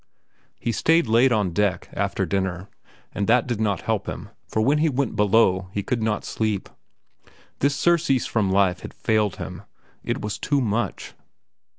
He stayed late on deck, after dinner, but that did not help him, for when he went below, he could not sleep. This surcease from life had failed him. It was too much.